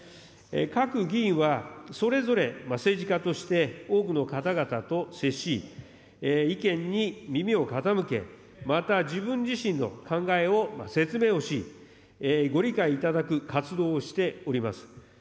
各議員はそれぞれ、政治家として、多くの方々と接し、意見に耳を傾け、また自分自身の考えを説明をし、ご理解いただく活動をしております。